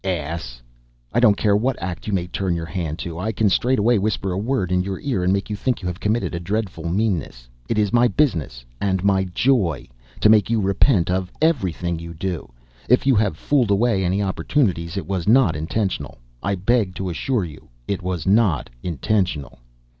Ass! I don't care what act you may turn your hand to, I can straightway whisper a word in your ear and make you think you have committed a dreadful meanness. It is my business and my joy to make you repent of everything you do. If I have fooled away any opportunities it was not intentional; I beg to assure you it was not intentional!"